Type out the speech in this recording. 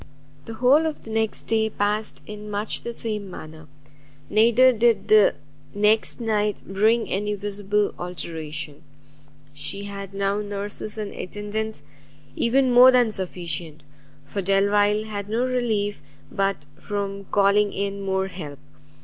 The whole of the next day passed in much the same manner, neither did the next night bring any visible alteration. She had now nurses and attendants even more than sufficient, for Delvile had no relief but from calling in more help.